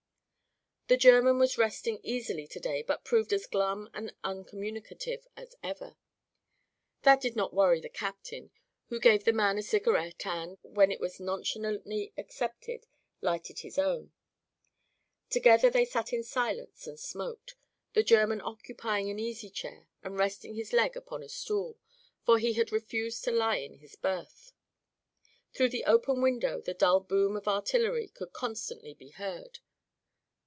The German was resting easily to day but proved as glum and uncommunicative as ever. That did not worry the captain, who gave the man a cigarette and, when it was nonchalantly accepted, lighted his own pipe. Together they sat in silence and smoked, the German occupying an easy chair and resting his leg upon a stool, for he had refused to lie in a berth. Through the open window the dull boom of artillery could constantly be heard.